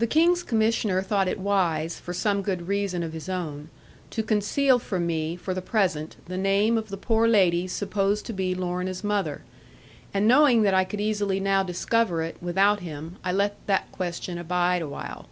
The King's Commissioner thought it wise, for some good reason of his own, to conceal from me, for the present, the name of the poor lady supposed to be Lorna's mother; and knowing that I could easily now discover it, without him, I let that question abide awhile.